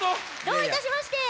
どういたしまして。